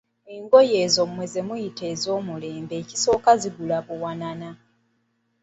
Engoye ezo mmwe zemuyita ez'omulembe ekisooka zigula buwanana.